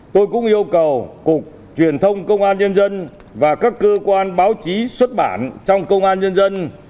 tôi cũng yêu cầu cục truyền thông công an nhân dân và các cơ quan báo chí xuất bản trong công an nhân dân